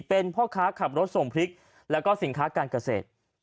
เป็นพ่อค้าขับรถส่งพริกแล้วก็สินค้าการเกษตร